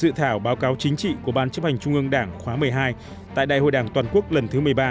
dự thảo báo cáo chính trị của ban chấp hành trung ương đảng khóa một mươi hai tại đại hội đảng toàn quốc lần thứ một mươi ba